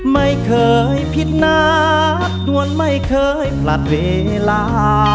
ไม่เคยผิดนัดดวนไม่เคยผลัดเวลา